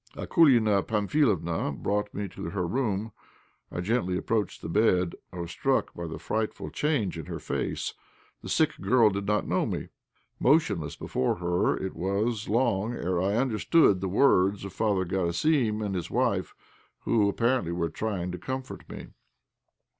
Akoulina Pamphilovna brought me to her room. I gently approached the bed. I was struck by the frightful change in her face. The sick girl did not know me. Motionless before her, it was long ere I understood the words of Father Garasim and his wife, who apparently were trying to comfort me.